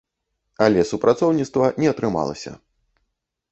Але супрацоўніцтва не атрымалася.